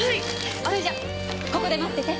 それじゃここで待ってて。